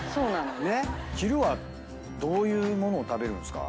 昼はどういう物を食べるんすか？